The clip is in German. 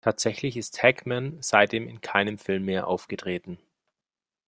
Tatsächlich ist Hackman seitdem in keinem Film mehr aufgetreten.